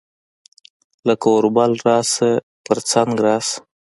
لکه اوربل راسه ، پۀ څنګ راسه